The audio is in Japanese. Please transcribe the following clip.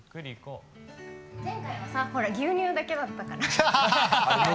前回はさ牛乳だけだったから。